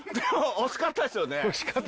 惜しかったです。